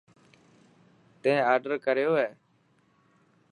تين آڊر ڪريو هي.